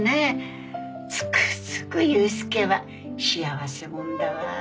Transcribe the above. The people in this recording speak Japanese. つくづく悠介は幸せ者だわ。